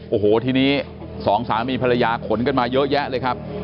โอ้โหทีนี้สองสามีภรรยาขนกันมาเยอะแยะเลยครับ